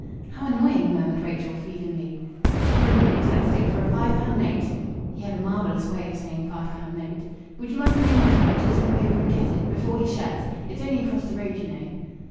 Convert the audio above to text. "How annoying!" murmured Rachel feelingly. "I wouldn't lose that stick for a five pound note." (He had a marvellous way of saying "five pound note.") "Would you mind very much if I just slip over and get it, before he shuts? It's only across the road, you know."